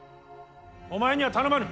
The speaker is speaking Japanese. お前には頼まぬ。